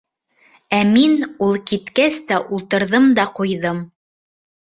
Ә мин, ул киткәс тә, ултырҙым да ҡуйҙым.